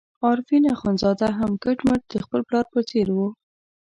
عارفین اخندزاده هم کټ مټ د خپل پلار په څېر وو.